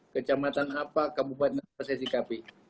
kecamatan apa kabupaten apa sesi kpi